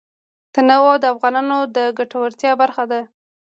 تنوع د افغانانو د ګټورتیا برخه ده.